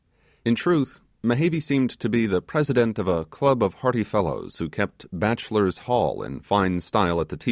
In truth, Mehevi seemed to be the president of a club of hearty fellows, who kept 'Bachelor's Hall' in fine style at the Ti.